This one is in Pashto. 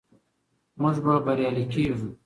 موږ به بریالي کیږو.